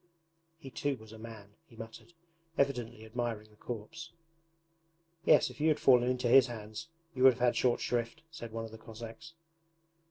'He too was a man!' he muttered, evidently admiring the corpse. 'Yes, if you had fallen into his hands you would have had short shrift,' said one of the Cossacks.